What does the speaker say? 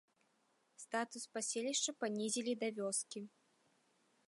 Статус паселішча панізілі да вёскі.